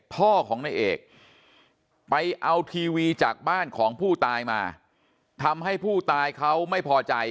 พ่อของนายเอกไปเอาทีวีจากบ้านของผู้ตายมาทำให้ผู้ตายเขาไม่พอใจ